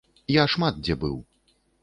Я шмат дзе быў.